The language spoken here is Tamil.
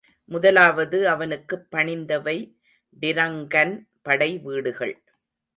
முதலாவது அவனுக்குப் பணிந்தவை டிரங்கன் படைவீடுகள்.